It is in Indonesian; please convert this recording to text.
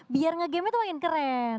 biar nge game itu makin keren